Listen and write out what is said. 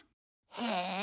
へえ。